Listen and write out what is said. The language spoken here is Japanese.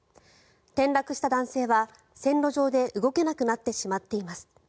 転落した男性は、線路上で動けなくなってしまっています。